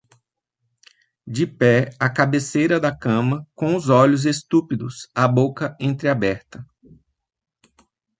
De pé, à cabeceira da cama, com os olhos estúpidos, a boca entreaberta